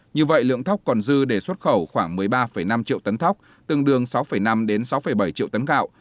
như vậy lượng thóc còn dư để xuất khẩu khoảng một mươi ba năm triệu tấn thóc tương đương sáu năm sáu bảy triệu tấn gạo